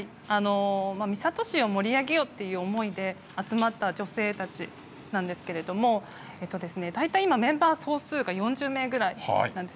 三郷市を盛り上げようという思いで集まった女性たちなんですが今メンバー総数が４０名くらいなんです。